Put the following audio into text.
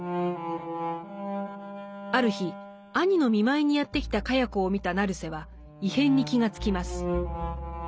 ある日兄の見舞いにやって来た茅子を見た成瀬は異変に気が付きます。